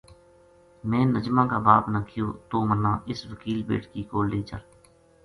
میں نجمہ کا باپ نا کہیو توہ مَنا اس وکیل بیٹکی کول لے چل